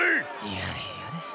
やれやれ。